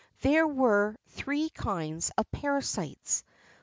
There were three kinds of parasites.